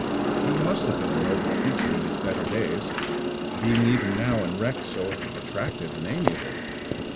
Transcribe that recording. He must have been a noble creature in his better days, being even now in wreck so attractive and amiable.